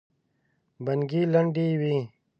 بڼکې لندې وې.